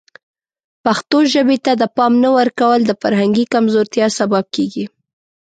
پښتو ژبې ته د پام نه ورکول د فرهنګي کمزورتیا سبب کیږي.